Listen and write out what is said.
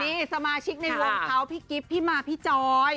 นี่สมาชิกในวงเขาพี่กิ๊บพี่มาพี่จอย